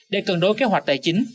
để cân đối kế hoạch tài chính